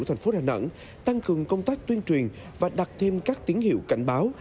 thành phố đà nẵng tăng cường công tác tuyên truyền và đặt thêm các tín hiệu cảnh báo